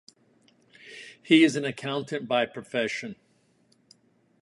He is an accountant by profession.